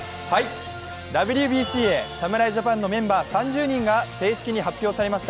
ＷＢＣへ侍ジャパンのメンバー３０人が正式に決定しました。